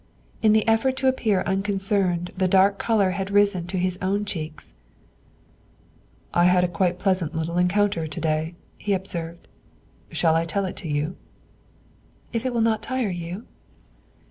In the effort to appear unconcerned the dark color had risen to his own cheeks. "I had quite a pleasant little encounter to day," he observed; "shall I tell it to you?" "If it will not tire you."